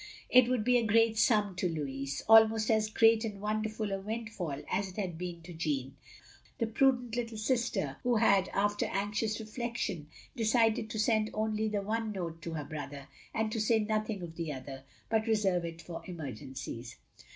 It would be a great sum to Louis: almost as great and wonderful a windfall as it had been to Jeanne, the prudent little sister who had after anxious reflection decided to send only the one note to her brother, and to say nothing of the other, but reserve it for emergencies.